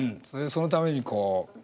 そのためにこう。